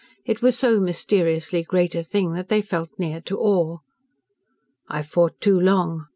It was so mysteriously great a thing that they felt near to awe. "I fought too long.